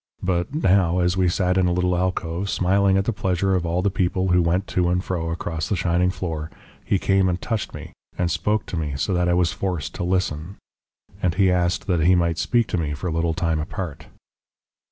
But now, as we sat in a little alcove, smiling at the pleasure of all the people who went to and fro across the shining floor, he came and touched me, and spoke to me so that I was forced to listen. And he asked that he might speak to me for a little time apart.